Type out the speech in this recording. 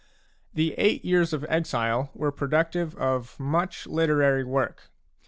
The eight years of exile were productive of much literary work.